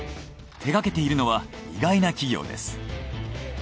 手がけているのは意外な企業です。